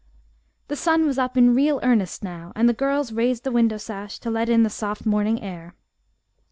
The sun was up in real earnest now, and the girls raised the window sash to let in the soft morning air.